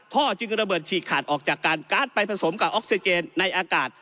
จึงระเบิดฉีกขาดออกจากการการ์ดไปผสมกับออกซิเจนในอากาศ